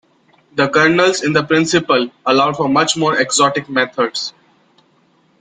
The kernels in principle allow for much more exotic methods.